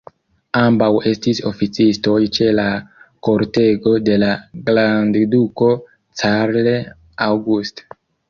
Ambaŭ estis oficistoj ĉe la kortego de la grandduko Carl August.